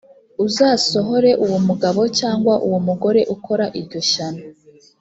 uzasohore uwo mugabo cyangwa uwo mugore ukora iryo shyano,